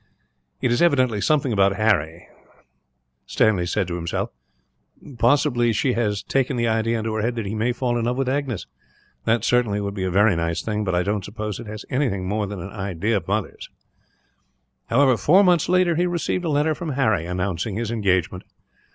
"It is evidently something about Harry," he said to himself; "possibly she has taken the idea into her head that he may fall in love with Agnes. That, certainly, would be a very nice thing; but I don't suppose it is anything more than an idea of mother's." However, four months later he received a letter from Harry, announcing his engagement.